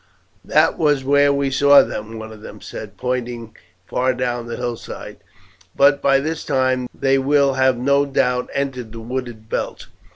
"That was where we saw them," one of them said, pointing far down the hillside, "but by this time they will no doubt have entered the wooded belt."